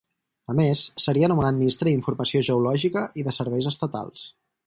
A més, seria nomenat Ministre d'Informació Geològica i de Serveis Estatals.